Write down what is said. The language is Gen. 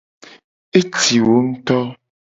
Eti wo ngto.